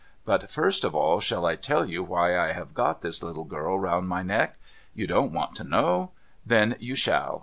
But first of all, shall I tell you why I have got this little girl round my neck ? You don't want to know ? Then you shall.